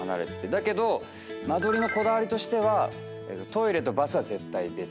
だけど間取りのこだわりとしてはトイレとバスは絶対別。